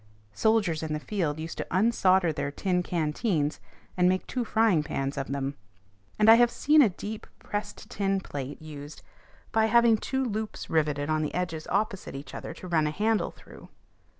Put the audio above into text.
Soldiers in the field used to unsolder their tin canteens, and make two frying pans of them; and I have seen a deep pressed tin plate used by having two loops riveted on the edges opposite each other to run a handle through.